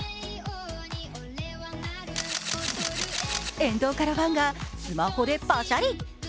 沿道からファンがスマホでパシャリ。